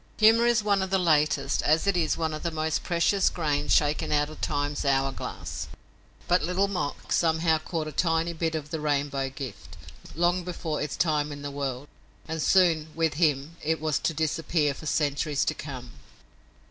Humor is one of the latest, as it is one of the most precious, grains shaken out of Time's hour glass, but Little Mok somehow caught a tiny bit of the rainbow gift, long before its time in the world, and soon, with him, it was to disappear for centuries to come.